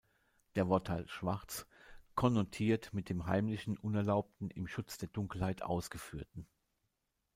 Der Wortteil „schwarz“ konnotiert mit dem Heimlichen, Unerlaubten, im Schutze der Dunkelheit Ausgeführten.